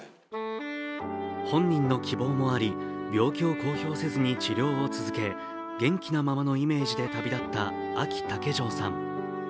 本人の希望もあり、病気を公表せずに治療を続け、元気なままのイメージで旅立ったあき竹城さん。